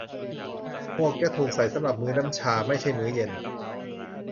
หมวกจะถูกใส่สำหรับมื้อน้ำชา ไม่ใช่มื้อเย็น